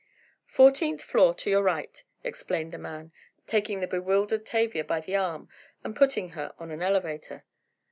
"Fourteenth floor, to your right," explained the man, taking the bewildered Tavia by the arm and putting her on an elevator.